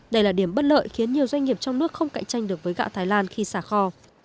đây là điểm bất lợi khiến nhiều doanh nghiệp trong nước không cạnh tranh được với gạo thái lan khi xả kho